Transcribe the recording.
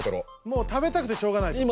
もう食べたくてしょうがないと？